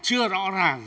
chưa rõ ràng